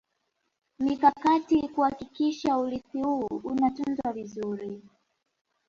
Mikakati kuhakikisha urithi huu unatunzwa vizuri